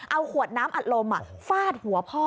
เอาขวดน้ำอัดลมฟาดหัวพ่อ